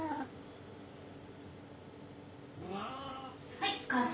はい完成！